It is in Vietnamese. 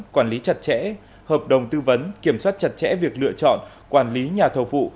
quản lý chặt chẽ hợp đồng tư vấn kiểm soát chặt chẽ việc lựa chọn quản lý nhà thầu phụ